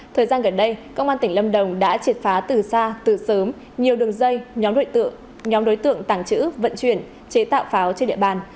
thời gian gần đây công an tỉnh lâm đồng đã triệt phá từ xa từ sớm nhiều đường dây nhóm đối tượng nhóm đối tượng tàng trữ vận chuyển chế tạo pháo trên địa bàn